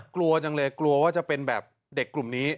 กลัวจังเลยกลัวว่าจะเป็นแบบเด็กกลุ่มนี้